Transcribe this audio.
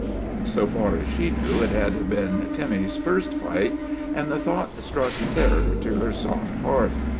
So far as she knew, ft had been Timmy's first fight, and the thought struck terror to her soft heart.